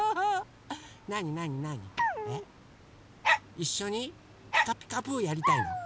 いっしょに「ピカピカブ！」やりたいの？